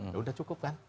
ya sudah cukup kan